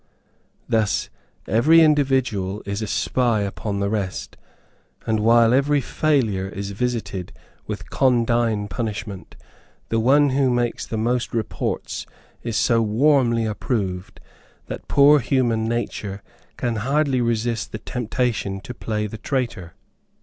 Thus every individual is a spy upon the rest; and while every failure is visited with condign punishment, the one who makes the most reports is so warmly approved, that poor human nature can hardly resist the temptation to play the traitor.